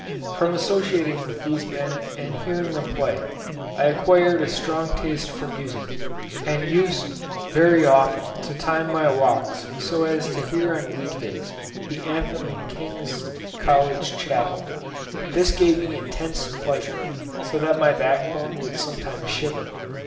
From associating with these men, and hearing them play, I acquired a strong taste for music, and used very often to time my walks so as to hear on week days the anthem in King's College Chapel. This gave me intense pleasure, so that my backbone would sometimes shiver.